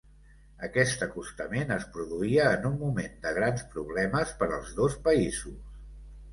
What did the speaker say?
Aquest acostament es produïa en un moment de grans problemes per als dos països.